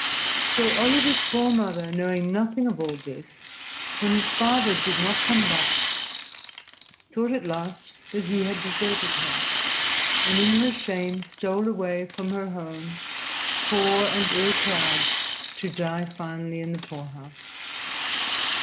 So Oliver's poor mother, knowing nothing of all this, when his father did not come back, thought at last that he had deserted her, and in her shame stole away from her home, poor and ill clad, to die finally in the poorhouse.